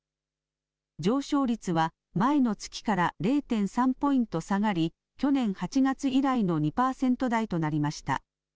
上昇率は前の月から０．３ポイント下がり去年８月以来の２％台となりました。